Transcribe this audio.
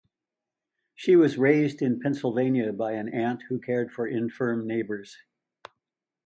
She was raised in Pennsylvania by an aunt who cared for infirm neighbors.